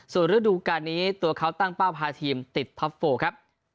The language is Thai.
ส่วนฤดูการนี้ตัวเขาตั้งเป้าพาทีมติดท็อปโฟครับ